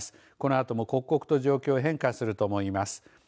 このあとも刻々と状況変化すると思います。